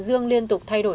dương liên tục thay đổi